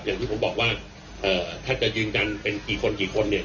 อย่างที่ผมบอกว่าถ้าจะยืนยันเป็นกี่คนกี่คนเนี่ย